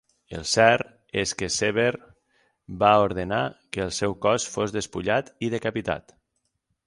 El cert és que Sever va ordenar que el seu cos fos despullat i decapitat.